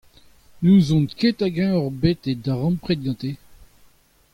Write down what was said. N’ouzon ket hag-eñ ocʼh bet e darempred ganto ?